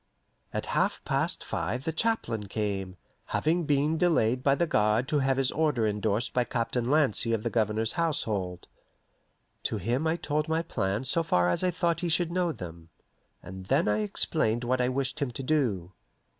At half past five the chaplain came, having been delayed by the guard to have his order indorsed by Captain Lancy of the Governor's household. To him I told my plans so far as I thought he should know them, and then I explained what I wished him to do.